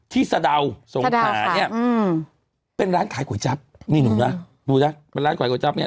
สะดาวสงขาเนี่ยเป็นร้านขายก๋วยจั๊บนี่หนูนะดูนะเป็นร้านก๋วยจับเนี่ย